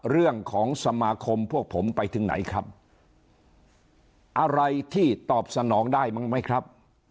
เรื่องของสมาคมพวกผมไปถึงไหนครับอะไรที่ตอบสนองได้มั้งไหมครับ